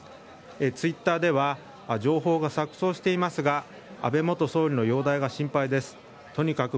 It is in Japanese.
ツイッターでは情報が錯綜していますが安倍元総理の容体が心配ですとにかく